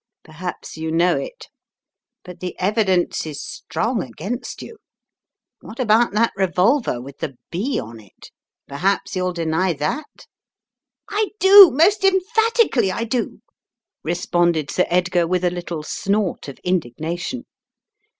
Perhaps you know it. But the evidence is strong against you. What about that revolver with the *B' on it? Perhaps you'll deny that?" Tightening the Strands 153 "I do, most emphatically I do! * responded Sir Edgar with a little snort of indignation.